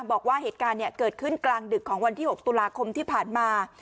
บอกว่าเหตุการณ์เกิดขึ้นกลางดึกของวันที่๖ตุลาคมที่ผ่านมา